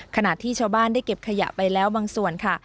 ขณะที่ชาวบ้านได้เก็บขยะไปแล้วบางส่วนค่ะ